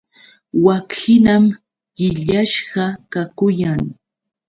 Wakhinam qillasqa kakuyan.